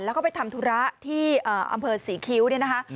แล้วก็ไปทำธุระที่อำเภอศรีคิ้วเนี่ยนะคะ